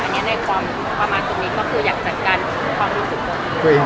อันนี้ในความประมาณตรงนี้ก็คืออยากจัดการความรู้สึกตรงนี้